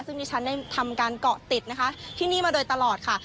ซึ่งดิฉันได้ทำการเกาะติดนะคะที่นี่มาโดยตลอดค่ะ